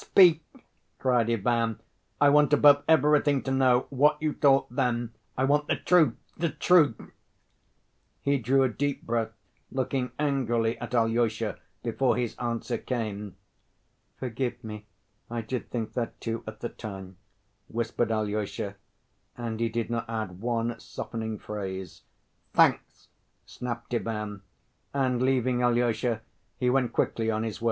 "Speak!" cried Ivan, "I want above everything to know what you thought then. I want the truth, the truth!" He drew a deep breath, looking angrily at Alyosha before his answer came. "Forgive me, I did think that, too, at the time," whispered Alyosha, and he did not add one softening phrase. "Thanks," snapped Ivan, and, leaving Alyosha, he went quickly on his way.